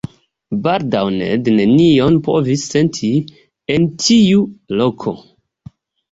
Baldaŭ Ned nenion povis senti en tiu loko.